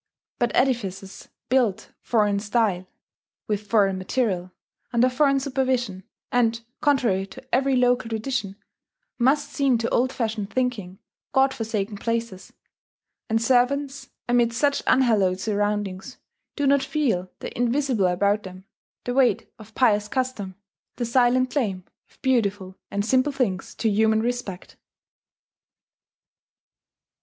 But edifices built foreign style, with foreign material, under foreign supervision, and contrary to every local tradition, must seem to old fashioned thinking God forsaken places; and servants amid such unhallowed surroundings do not feel the invisible about them, the weight of pious custom, the silent claim of beautiful and simple things to human respect.